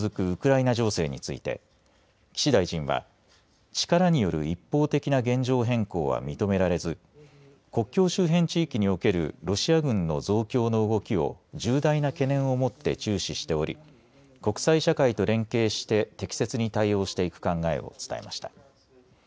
ウクライナ情勢について岸大臣は力による一方的な現状変更は認められず国境周辺地域におけるロシア軍の増強の動きを重大な懸念を持って注視しており国際社会と連携して適切に対応していく考えを伝えました。